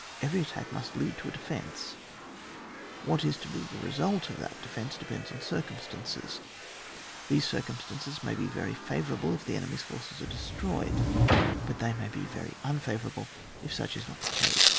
Every attack must lead to a defence ; what is to be the result of that defence, depends on circimistances ; these circumstances may be very favourable if the enemy*s forces are destroyed; but they may be very unfavourable if such is not the case.